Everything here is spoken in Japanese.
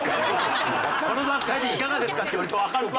この段階でいかがですかって言われてわかるか！